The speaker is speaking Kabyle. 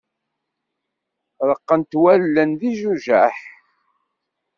Reqqent wallen d ijujaḥ.